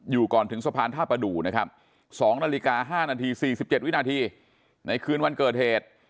ก่อนถึงสะพานท่าประดูนะครับ๒นาฬิกา๕นาที๔๗วินาทีในคืนวันเกิดเหตุ